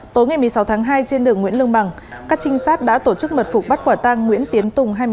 tối ngày một mươi sáu tháng hai trên đường nguyễn lương bằng các trinh sát đã tổ chức mật phục bắt quả tang nguyễn tiến tùng